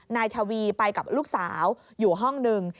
นายทวีไปกับลูกสาวอยู่ห้องหนึ่ง